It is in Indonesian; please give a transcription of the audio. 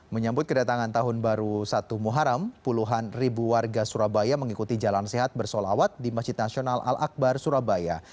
menyambut kedatangan tahun baru satu muharam puluhan ribu warga surabaya mengikuti jalan sehat bersolawat di masjid nasional al akbar surabaya